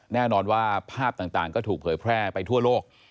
แน่นอนว่าภาพต่างก็ถูกเผยแพร่ไปทั่วโลก